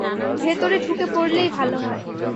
ভেতরে ঢুকে পড়লেই ভালো হয়।